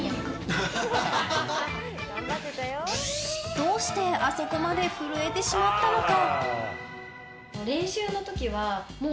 どうしてあそこまで震えてしまったのか。